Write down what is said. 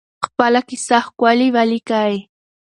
خپله کیسه ښکلې ولیکئ.